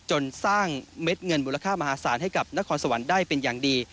จนสร้างเม็ดเงินมูลค่ามหาศาลให้กับนครสวรรค์ได้เป็นอย่างดี